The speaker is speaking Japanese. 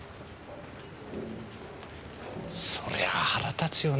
そりゃあ腹立つよな。